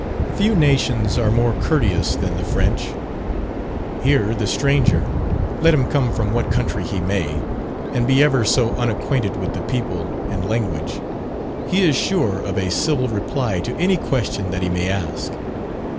Few nations are more courteous than the French. Here the stranger, let him come from what country he may, and be ever so unacquainted with the people and language, he is sure of a civil reply to any question that he may ask.